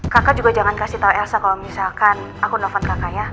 kakak juga jangan kasih tahu elsa kalau misalkan aku nelfon kakak ya